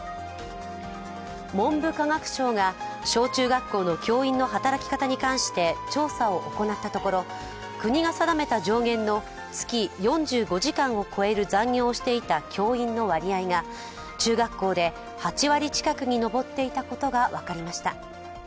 文部科学省が小中学校の教員の働き方に関して調査を行ったところ国が定めた上限の月４５時間を超える残業をしていた教員の割合が中学校で８割近くに上っていたことが分かりました。